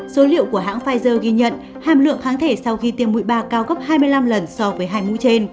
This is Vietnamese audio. số liệu của hãng pfizer ghi nhận hàm lượng kháng thể sau khi tiêm mũi ba cao gấp hai mươi năm lần so với hai mũi trên